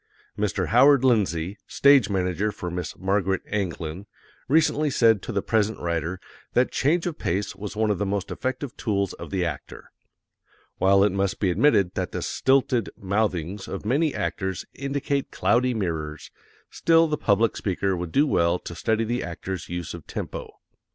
Mr. Howard Lindsay, Stage Manager for Miss Margaret Anglin, recently said to the present writer that change of pace was one of the most effective tools of the actor. While it must be admitted that the stilted mouthings of many actors indicate cloudy mirrors, still the public speaker would do well to study the actor's use of tempo.